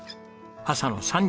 朝の３時。